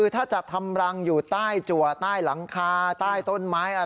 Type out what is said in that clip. ใต้ปากพญานาคเนี่ยฮะโหชาวบ้านเห็น